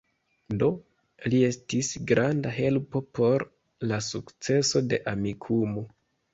Do, li estis granda helpo por la sukceso de Amikumu